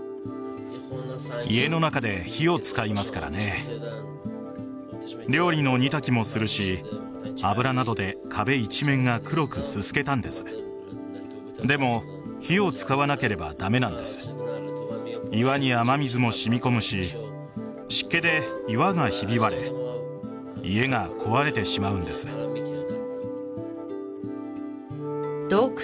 家の中で火を使いますからね料理の煮炊きもするし油などで壁一面が黒く煤けたんですでも火を使わなければダメなんです岩に雨水も染み込むし湿気で岩がひび割れ家が壊れてしまうんです洞窟